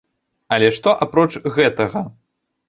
Але што апроч гэтага?